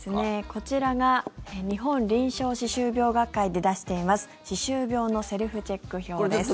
こちらが日本臨床歯周病学会で出しています歯周病のセルフチェック表です。